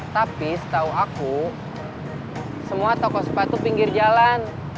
tapi setahu aku semua toko sepatu pinggir jalan